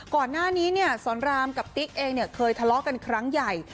ก่อนหน้านี้เนี่ยสอนรามกับติ๊กเองเคยทะเลาะกันครั้งใหญ่